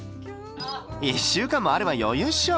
１週間もあれば余裕っしょ。